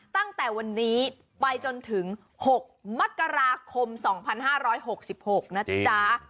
ตั้งแต่วันนี้ไปจนถึง๖มกราคม๒๕๖๖นะจ๊ะ